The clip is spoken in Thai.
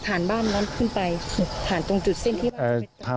บ้านนั้นขึ้นไปผ่านตรงจุดเส้นที่ว่า